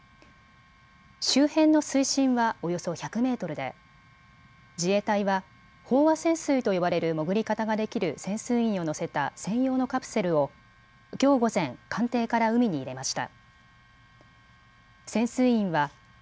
周辺の水深はおよそ１００メートルで自衛隊は飽和潜水と呼ばれる潜り方ができる潜水員を乗せた専用のカプセルをきょう午前、艦艇から海に入れました。